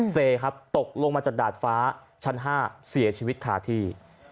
เซครับตกลงมาจากดาดฟ้าชั้น๕เสียชีวิตคาที่